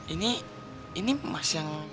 ini ini mas yang